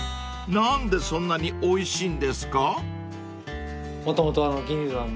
［何でそんなにおいしいんですか？］